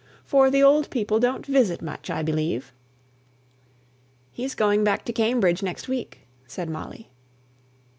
For the old people don't visit much, I believe?" "He's going back to Cambridge next week," said Molly.